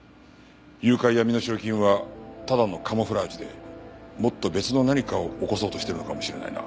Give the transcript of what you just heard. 誘拐や身代金はただのカムフラージュでもっと別の何かを起こそうとしてるのかもしれないな。